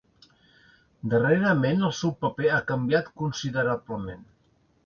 Darrerament el seu paper ha canviat considerablement.